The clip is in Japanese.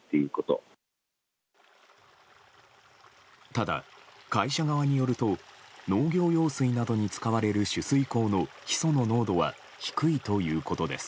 ただ、会社側によると農業用水などに使われる取水口のヒ素の濃度は低いということです。